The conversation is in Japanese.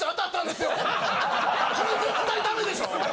これ絶対ダメでしょ！？